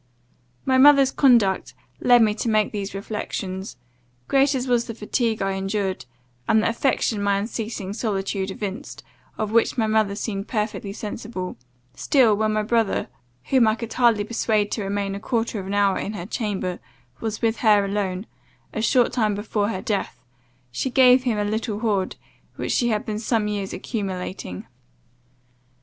My mother's conduct led me to make these reflections. Great as was the fatigue I endured, and the affection my unceasing solicitude evinced, of which my mother seemed perfectly sensible, still, when my brother, whom I could hardly persuade to remain a quarter of an hour in her chamber, was with her alone, a short time before her death, she gave him a little hoard, which she had been some years accumulating.